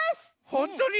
ほんとに？